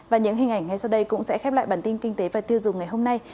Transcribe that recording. và những hình ảnh ngay sau đây cũng sẽ khép lại bản tin kinh tế và tiêu dùng ngày hôm nay